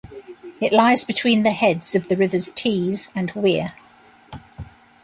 It lies between the heads of the Rivers Tees and Wear.